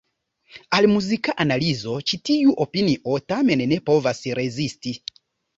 Al muzika analizo ĉi tiu opinio tamen ne povas rezisti.